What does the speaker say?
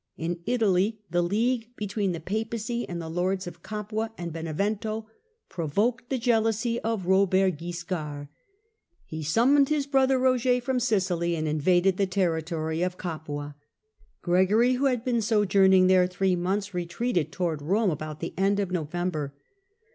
In Italy the league aggressions between the papacy and the lords of Gapua and Benevento provoked the jealousy of Robert Wiscard. He summoned his brother Roger from Sicily, and in vaded the territory of Capua. Gregory, who had been sojourning there three months, retreated towards Rome about the end of November.